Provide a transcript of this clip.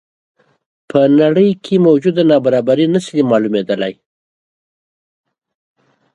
په نړۍ کې موجوده نابرابري نه شي معلومېدلی.